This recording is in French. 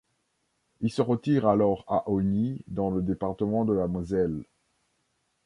Il se retire alors à Augny dans le département de la Moselle.